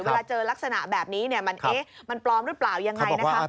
เวลาเจอลักษณะแบบนี้มันปลอมหรือเปล่ายังไงนะคะ